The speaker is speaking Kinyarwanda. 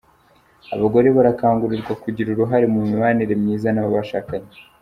Abagore barakangurirwa kugira uruhare mu mibanire myiza n’abo bashakanye